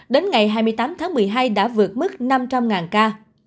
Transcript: đến ngày hai mươi tám tháng một mươi hai đã vượt mức năm trăm linh ca